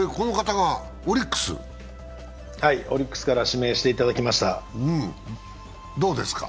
はい、オリックスから指名していただきました。